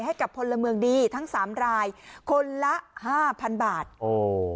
ให้กับพลเมืองดีทั้งสามรายคนละห้าพันบาทโอ้